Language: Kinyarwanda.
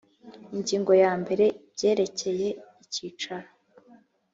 ingingo ya mbere ibyerekeye icyicaro